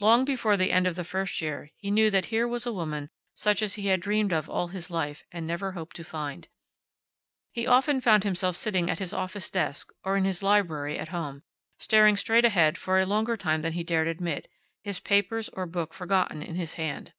Long before the end of the first year he knew that here was a woman such as he had dreamed of all his life and never hoped to find. He often found himself sitting at his office desk, or in his library at home, staring straight ahead for a longer time than he dared admit, his papers or book forgotten in his hand.